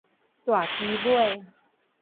大旗尾